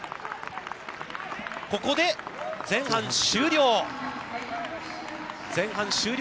ここで前半終了。